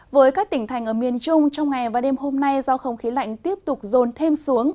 với các tỉnh thành ở miền trung trong ngày và đêm hôm nay do không khí lạnh tiếp tục rồn thêm xuống